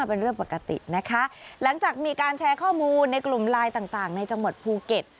เป็นเรื่องปกตินะคะหลังจากมีการแชร์ข้อมูลในกลุ่มไลน์ต่างต่างในจังหวัดภูเก็ต